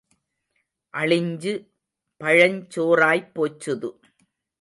அளிஞ்சு பழஞ் சோறாய்ப் போச்சுது.